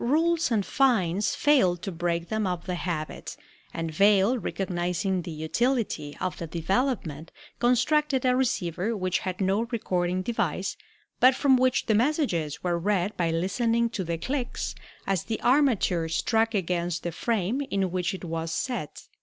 Rules and fines failed to break them of the habit, and Vail, recognizing the utility of the development, constructed a receiver which had no recording device, but from which the messages were read by listening to the clicks as the armature struck against the frame in which it was set.